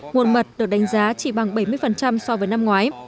nguồn mật được đánh giá chỉ bằng bảy mươi so với năm ngoái